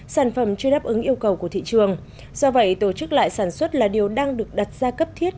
sản phẩm chưa đáp ứng yêu cầu của thị trường do vậy tổ chức lại sản xuất là điều đang được đặt ra cấp thiết